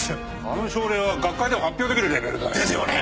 あの症例は学会でも発表できるレベルだよ。ですよね！